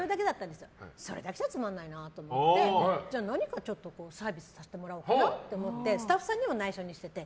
でも、それだけじゃつまらないなと思って何かちょっとサービスさせてもらおうかなと思ってスタッフさんにも内緒にしてて。